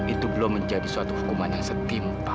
itu belum menjadi suatu hukuman yang setimpa